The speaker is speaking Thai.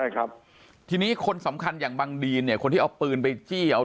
ครับที่นี้คนสำคัญอย่างบางดีนะคนที่เอาปืนไปจี้เอา